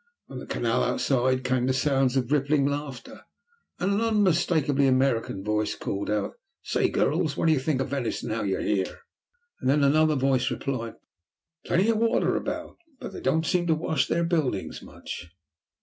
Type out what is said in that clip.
From the canal outside came the sounds of rippling laughter, then an unmistakably American voice called out, "Say, girls, what do you think of Venice now you're here?" Then another voice replied, "Plenty of water about, but they don't seem to wash their buildings much."